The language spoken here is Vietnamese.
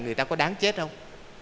người ta có đáng chết không